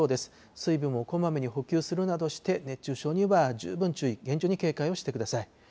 水分をこまめに補給するなどして、熱中症には十分注意、厳重に警戒をしてください。